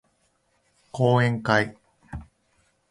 講演会